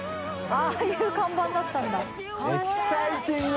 ああいう看板だったんだ。┘